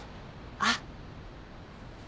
あっ。